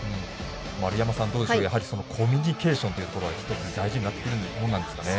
丸山さん、どうでしょうコミュニケーションというのが一つ、大事になってくるものなんでしょうかね。